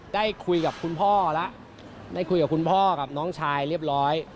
ได้คุยกับคุณพ่อแล้วได้คุยกับคุณพ่อกับน้องชายเรียบร้อย